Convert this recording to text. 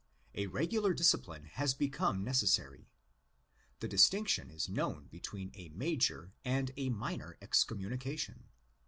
A regular discipline has become necessary. The distinction 18 known between a major and a minor excommunication.